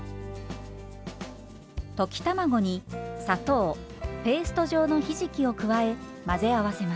溶き卵に砂糖ペースト状のひじきを加え混ぜ合わせます。